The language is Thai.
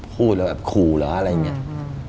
พูดแล้วแบบขู่เหรออะไรอย่างนี้